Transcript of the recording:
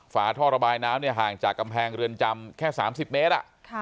ฝาท่อระบายน้ำห่างจากกำแพงเรือนจำแค่๓๐เมตร